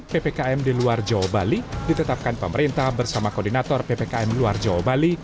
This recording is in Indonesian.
ppkm di luar jawa bali ditetapkan pemerintah bersama koordinator ppkm luar jawa bali